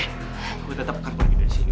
gue tetep kartu lagi dari sini